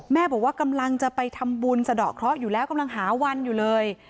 บอกว่ากำลังจะไปทำบุญสะดอกเคราะห์อยู่แล้วกำลังหาวันอยู่เลย